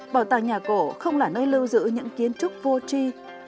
bảo tàng nhà cổ không là nơi lưu giữ những kiến trúc vô chi